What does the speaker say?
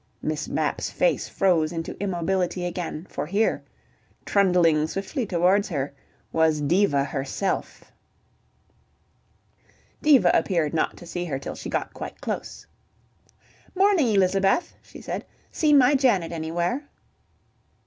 ... Miss Mapp's face froze into immobility again, for here, trundling swiftly towards her, was Diva herself. Diva appeared not to see her till she got quite close. "Morning, Elizabeth," she said. "Seen my Janet anywhere?"